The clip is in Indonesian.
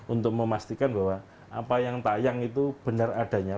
untuk memastikan bahwa apa yang tayang itu benar adanya